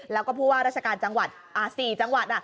แล้วก็ราชการจังหวัดสี่จังหวัด